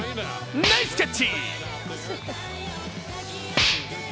ナイスキャッチ！